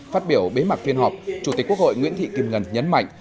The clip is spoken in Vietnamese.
phát biểu bế mạc phiên họp chủ tịch quốc hội nguyễn thị kim ngân nhấn mạnh